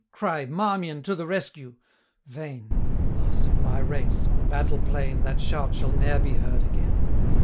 Cry "Marmion to the rescue!" Vain! Last of my race, on battle plain That shout shall ne'er be heard again!